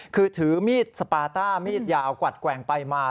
คือถือมีดสปาต้ามีดยาวกวัดแกว่งไปมา